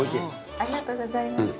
ありがとうございます。